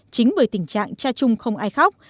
chính bởi tình trạng cha chung không ai khóc